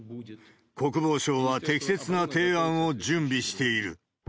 国防省は適切な提案を準備している。